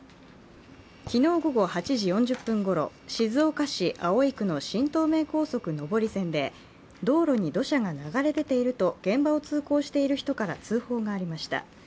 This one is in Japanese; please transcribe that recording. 昨日午後８時４０分ごろ、静岡市葵区の新東名高速上り線で道路に土砂が流れ出ていると現場を通行している人から通報がありました。